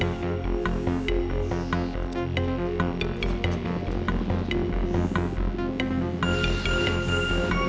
kayanya sebentartpb oh oh wkwkw